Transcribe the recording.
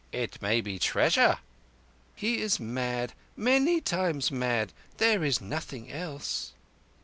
It may be treasure." "He is mad—many times mad. There is nothing else."